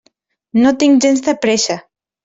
No tinc gens de pressa.